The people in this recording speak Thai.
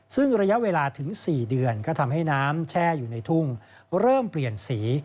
ซึ่งระยะเวลาถึง๔เดือนก็ทำให้น้ำแช่อยู่ในทุ่งเริ่มเปลี่ยนสี